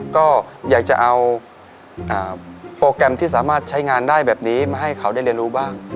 ก็อยากจะเอาโปรแกรมที่สามารถใช้งานได้แบบนี้มาให้เขาได้เรียนรู้บ้าง